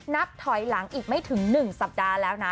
นับถอยหลังอีกไม่ถึง๑สัปดาห์แล้วนะ